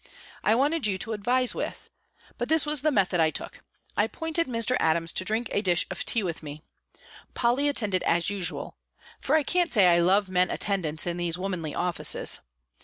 I wanted you to advise with. But this was the method I took. I appointed Mr. Adams to drink a dish of tea with me. Polly attended, as usual; for I can't say I love men attendants in these womanly offices.